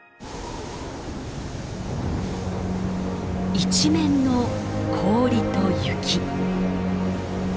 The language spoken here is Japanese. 一面の氷と雪。